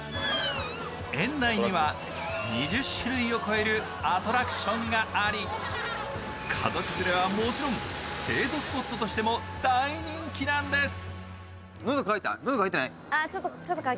園内には２０種類を超えるアトラクションがあり、家族連れはもちろんデートスポットとしても大人気なんです。